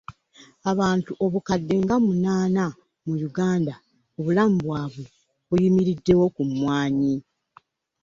Abantu obukadde nga munaana mu Uganda obulamu bwabwe buyimiriddewo ku mmwanyi.